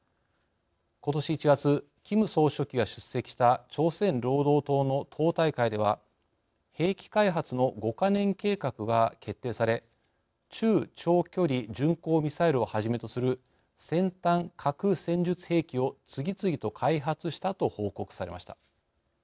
ことし１月キム総書記が出席した朝鮮労働党の党大会では兵器開発の５か年計画が決定され中・長距離巡航ミサイルをはじめとする先端核戦術兵器を次々と開発したと報告されました。